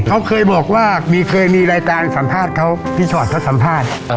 เขาเคยบอกว่ามีเคยมีรายการสัมภาษณ์เขาพี่ชอตเขาสัมภาษณ์